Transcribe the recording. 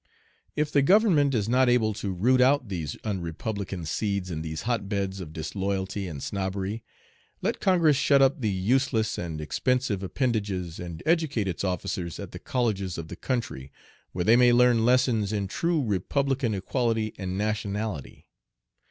"If the government is not able to root out these unrepublican seeds in these hotbeds of disloyalty and snobbery, let Congress shut up the useless and expensive appendages and educate its officers at the colleges of the country, where they may learn lessons in true Republican equality and nationality.